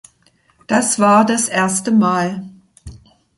Das war das erste Mal.